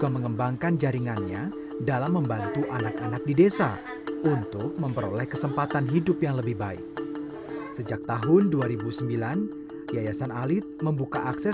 pertanyaan terakhir bagaimana penyelesaian yayasan ini